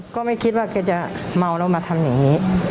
ก็ไม่คิดว่าแกจะเมาแล้วมาทำอย่างนี้